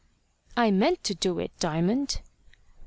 "I meant to do it, Diamond."